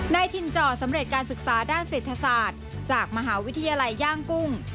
ถิ่นจ่อสำเร็จการศึกษาด้านเศรษฐศาสตร์จากมหาวิทยาลัยย่างกุ้ง